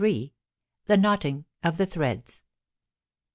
THE KNOTTING OF THE THREADS.